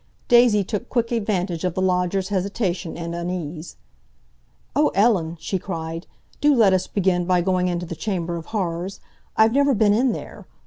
Daisy took quick advantage of the lodger's hesitation and unease. "Oh, Ellen," she cried, "do let us begin by going into the Chamber of Horrors! I've never been in there.